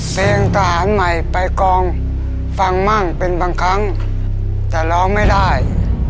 เพลงทหารใหม่ไปกองฟังมั่งเป็นบางครั้งแต่ร้องไม่ได้